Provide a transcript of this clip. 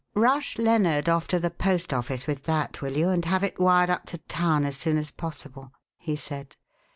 "Rush Lennard off to the post office with that, will you? and have it wired up to town as soon as possible," he said.